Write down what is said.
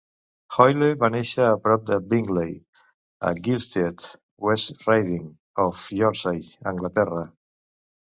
Hoyle va néixer a prop de Bingley a Gilstead, West Riding of Yorkshire, Anglaterra.